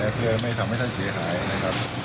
เพื่อไม่ทำให้ท่านเสียหายนะครับ